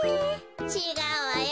ちがうわよ。